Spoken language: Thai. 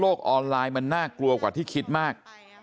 ออนไลน์มันน่ากลัวกว่าที่คิดมาก